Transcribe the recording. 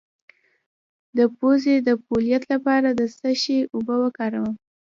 د پوزې د پولیت لپاره د څه شي اوبه وکاروم؟